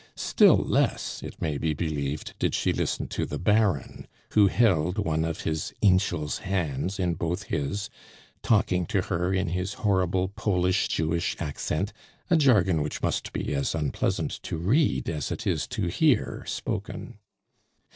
Still less, it may be believed, did she listen to the Baron, who held one of his "Anchel's" hands in both his, talking to her in his horrible Polish Jewish accent, a jargon which must be as unpleasant to read as it is to hear spoken.